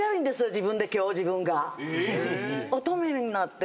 自分で今日自分が。